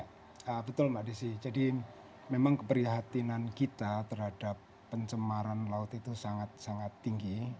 ya betul mbak desi jadi memang keprihatinan kita terhadap pencemaran laut itu sangat sangat tinggi